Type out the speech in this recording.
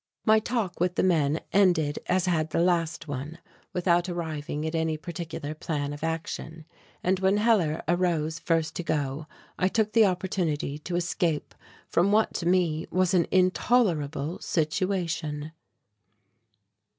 My talk with the men ended as had the last one, without arriving at any particular plan of action, and when Hellar arose first to go, I took the opportunity to escape from what to me was an intolerable situation.